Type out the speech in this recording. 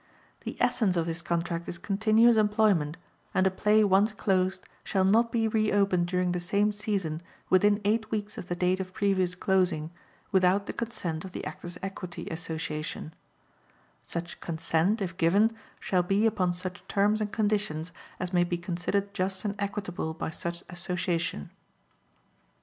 The essence of this contract is continuous employment and a play once closed shall not be re opened during the same season within eight weeks of the date of previous closing, without the consent of the Actors' Equity Association. Such consent, if given, shall be upon such terms and conditions as may be considered just and equitable by such Association.